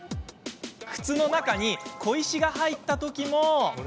靴の中に、小石が入った時も。